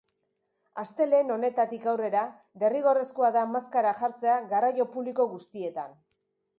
Astelehen honetatik aurrera, derrigorrezkoa da maskara jartzea garraio publiko guztietan.